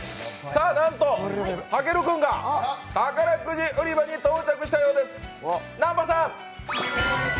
なんとたける君が宝くじ売り場に到着したようです。